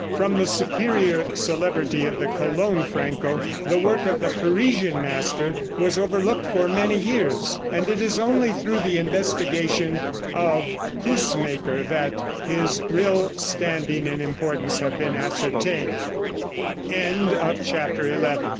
From the superior celebrity of the Cologne Franco the work of the Parisian master was overlooked for many years, and it is only through the investigation of Coussemaker that his real standing and importance have been asc